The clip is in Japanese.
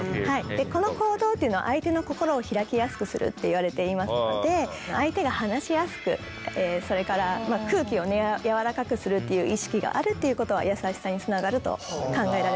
この行動っていうのは相手の心を開きやすくするっていわれていますので相手が話しやすくそれから空気をやわらかくするっていう意識があるっていうことは優しさにつながると考えられます。